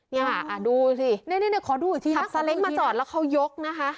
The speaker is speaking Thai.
เนี่ยค่ะดูสิเนี่ยขอดูอีกทีขับซาเล้งมาจอดแล้วเขายกนะคะ